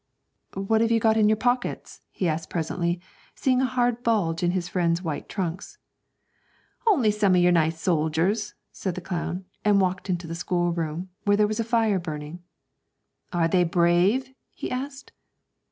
'What have you got in your pockets?' he asked, presently, seeing a hard bulge in his friend's white trunks. 'Only some o' your nice soldiers,' said the clown, and walked into the schoolroom, where there was a fire burning. 'Are they brave?' he asked.